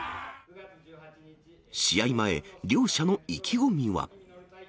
試合前、両者の意気込みは。